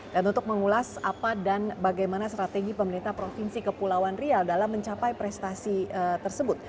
dan untuk mengulas apa dan bagaimana strategi pemerintah provinsi kepulauan riau dalam mencapai prestasi tersebut